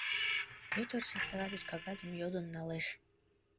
Пӧтыр сестра деч кагазым йодын налеш.